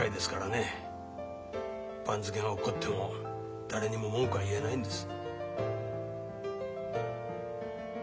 番付が落っこっても誰にも文句は言えないんです。